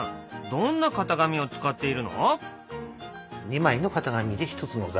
どんな型紙を使っているの？